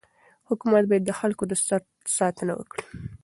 حکومت باید د خلکو د سر ساتنه وکړي.